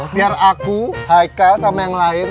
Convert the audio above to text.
biar aku haika sama yang lain